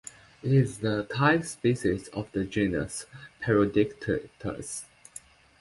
It is the type species of the genus "Perodictitus".